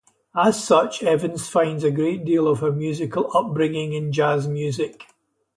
As such, Evans finds a great deal of her musical upbringing in jazz music.